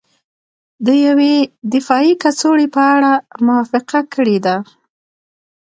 د یوې دفاعي کڅوړې په اړه موافقه کړې ده